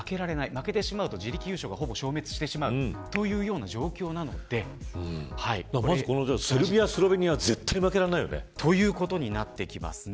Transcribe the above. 負けてしまうと自力優勝が消滅してしまうというセルビア、スロベニアということになってきますね。